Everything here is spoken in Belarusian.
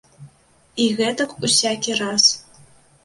І гэтак усякі раз.